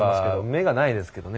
目がないですけどね